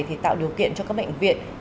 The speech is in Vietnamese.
thì tạo điều kiện cho các bệnh viện